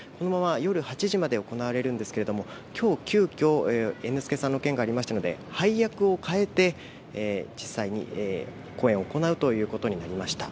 夜８時まで行われるんですが、今日急きょ、猿之助さんの件がありましたので配役を変えて、実際に公演を行うということになりました。